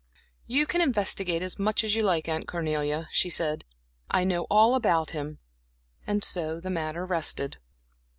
"You can investigate as much as you like, Aunt Cornelia," she said. "I know all about him." And so the matter rested.